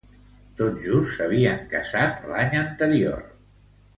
Tot just s'havien casat l'any anterior.